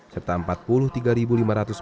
serta empat ribu media di indonesia